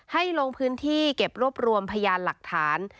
ลงพื้นที่เก็บรวบรวมพยานหลักฐาน